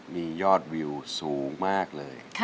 มียอดวิวสูงมากเลย